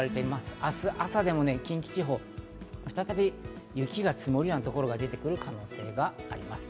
明日朝でも近畿地方、再び雪が積もるようなところが出てくる可能性があります。